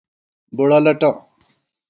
بُڑہ لَٹہ